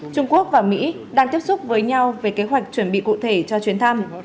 trung quốc và mỹ đang tiếp xúc với nhau về kế hoạch chuẩn bị cụ thể cho chuyến thăm